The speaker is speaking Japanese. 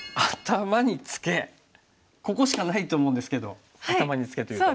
ここしかないと思うんですけど頭にツケというと。